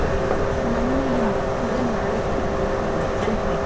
நம்மையும் உடன் அழைத்துப் போகிறார்.